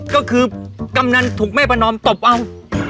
ก็คือกำนันถูกแม่ประนอมตบเอา